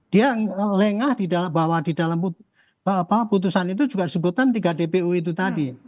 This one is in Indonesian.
dia lengah bahwa di dalam putusan itu juga disebutkan tiga dpu itu tadi